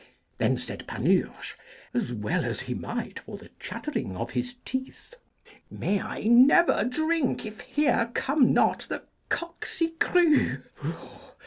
Then said Panurge, as well as he might for the chattering of his teeth: 'May I never drink if here come not the Coqcigrues!'